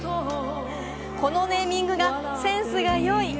このネーミングがセンスが良い。